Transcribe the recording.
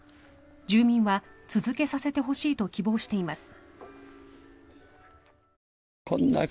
住民は続けさせてほしいと希望しています。